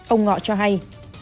ông ngọ cho hay